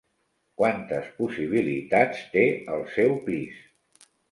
Quantes possibilitats té el seu pis?